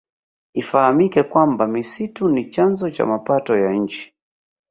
Ifahamike kwamba misitu ni chanzo cha mapato ya nchi